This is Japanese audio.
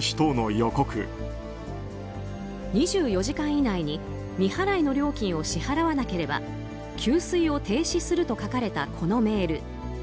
２４時間以内に未払いの料金を支払わなければ給水を停止すると書かれたこのメール。